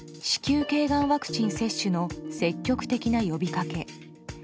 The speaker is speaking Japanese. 子宮頸がんワクチン接種の積極的な呼びかけ。